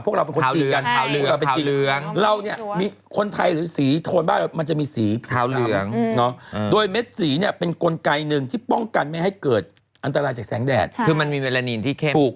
คือมันมีเวลานีนที่เข้ม